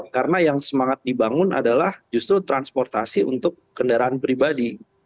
karena yang semangat dibangun adalah justru transportasi untuk kendaraan pribadi